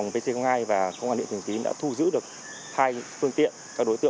vâng trong đến chín h là chín h tối